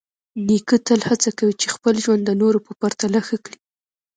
نیکه تل هڅه کوي چې خپل ژوند د نورو په پرتله ښه کړي.